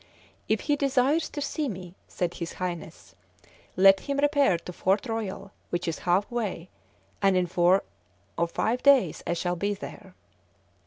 "If he desires to see me," said his highness, "let him repair to Fort Royal, which is half way, and in four or five days I shall be there."